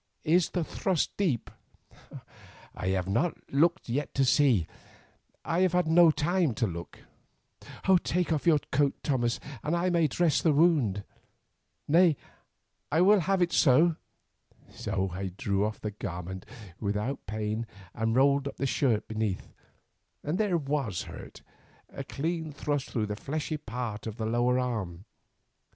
Is the thrust deep?" "I have not looked to see. I have had no time to look." "Take off your coat, Thomas, that I may dress the wound. Nay, I will have it so." So I drew off the garment, not without pain, and rolled up the shirt beneath, and there was the hurt, a clean thrust through the fleshy part of the lower arm.